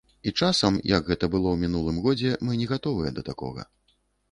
І часам, як гэта было ў мінулым годзе, мы не гатовыя да такога.